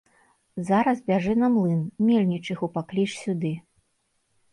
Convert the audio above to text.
Зараз бяжы на млын, мельнічыху пакліч сюды.